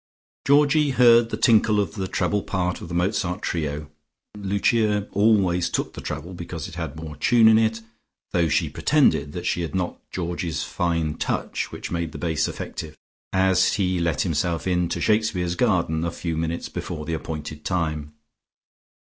Georgie heard the tinkle of the treble part of the Mozart trio (Lucia always took the treble, because it had more tune in it, though she pretended that she had not Georgie's fine touch, which made the bass effective) as he let himself in to Shakespeare's garden a few minutes before the appointed time.